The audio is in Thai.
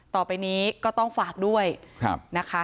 ต่อไปนี้ก็ต้องฝากด้วยนะคะ